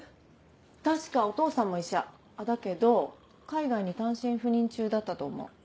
確かお父さんも医者だけど海外に単身赴任中だったと思う。